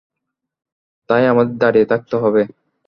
তাই আমাদের দাঁড়িয়ে থাকতে হবে।